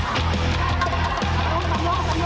โอ้โฮโอ้โฮโอ้โฮ